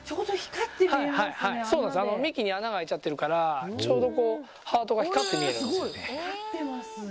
幹に穴が開いちゃってるからちょうどハートが光って見えるんです。